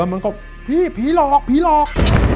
มันก็พี่ผีหลอกผีหลอก